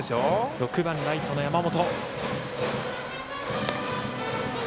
６番ライトの山本。